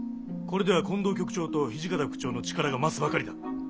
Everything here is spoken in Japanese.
これでは近藤局長と土方副長の力が増すばかりだ。